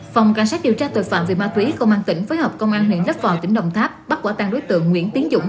phòng cảnh sát điều tra tội phạm về ma túy công an tỉnh phối hợp công an huyện lấp vò tỉnh đồng tháp bắt quả tăng đối tượng nguyễn tiến dũng